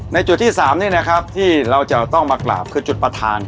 จุดที่๓นี่นะครับที่เราจะต้องมากราบคือจุดประธาน